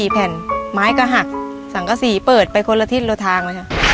๓๔แผ่นไม้กระหักสังเกษีเปิดไปคนละทิศลดทาง